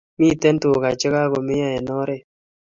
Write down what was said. Miten tuka che kakomeyo en oret .